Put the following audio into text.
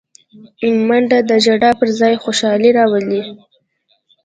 منډه د ژړا پر ځای خوشالي راولي